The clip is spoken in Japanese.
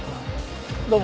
どうも。